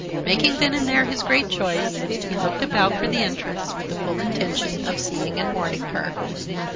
Making then and there his great choice, he looked about for the entrance, with the full intention of seeing and warning her.